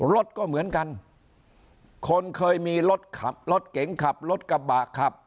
รถก็เหมือนกันคนเคยมีรถขับรถเก๋งขับรถกระบะขับ